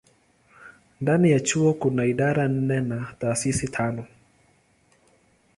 Ndani ya chuo kuna idara nne na taasisi tano.